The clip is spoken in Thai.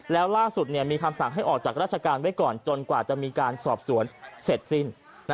แล้วล่าสุดมีคำสั่งให้ออกจากราชการไว้ก่อนจนกว่าจะมีการสอบสวนเสร็จสิ้น